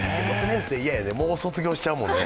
６年生嫌やで、もう卒業しちゃうもんね。